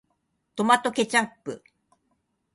トマトケチャップ